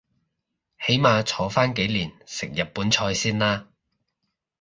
起碼坐返幾年食日本菜先啦